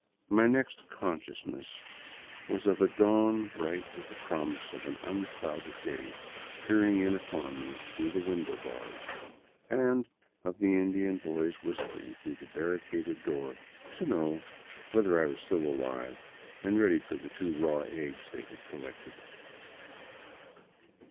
My next consciousness was of a dawn bright with the promise of an unclouded day peering in upon me through the window bars, and of the Indian boys whispering through the barricaded door to know whether I was still alive and ready for the two raw eggs they had collected.